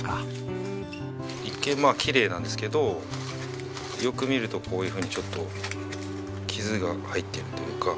一見まあきれいなんですけどよく見るとこういうふうにちょっと傷が入ってるというか。